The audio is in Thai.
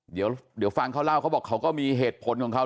เดี๋ยวฟังเขาเล่าเขาบอกเขาก็มีเหตุผลของเขา